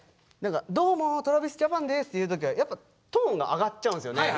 「どうもＴｒａｖｉｓＪａｐａｎ」ですって言う時はやっぱトーンが上がっちゃうんですよね。